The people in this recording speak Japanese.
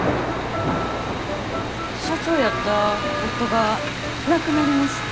社長やった夫が亡くなりまして。